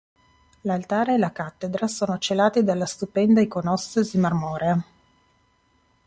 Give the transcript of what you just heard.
L'altare e la cattedra sono celati dalla stupenda "Iconostasi" marmorea.